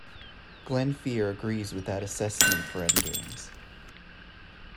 Glenn Flear agrees with that assessment for endgames.